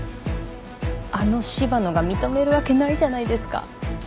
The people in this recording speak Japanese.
あの柴野が認めるわけないじゃないですか。